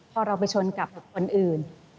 พอเราไปชนกับคนอื่น